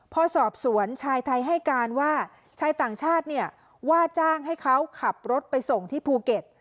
พอสอบสวนชายไทยให้การว่าชายต่างชาติเนี่ยว่าจ้างให้เขาขับรถไปส่งที่ภูเก็ต